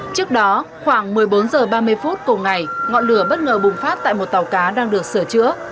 trước đó khoảng một mươi bốn h ba mươi phút cùng ngày ngọn lửa bất ngờ bùng phát tại một tàu cá đang được sửa chữa